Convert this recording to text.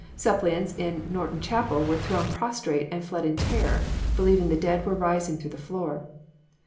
Suppliants in Norton Chapel were thrown prostrate and fled in terror, believing the dead were rising through the floor.